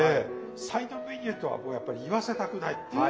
サイドメニューとはもうやっぱり言わせたくないっていう。